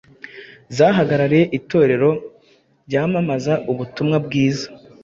zahagarariye Itorero ryamamaza Ubutumwa bwiza.